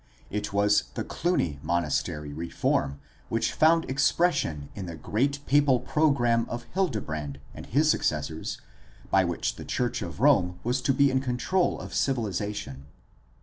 It was the Cluny monastery reform which found expression in the great papal program of Hildebrand and his successors by which the Church of Rome was to be in control of civilization.